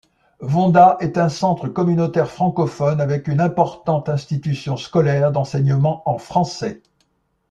Vonda est un centre communautaire francophone avec une importante institution scolaire d'enseignement en français.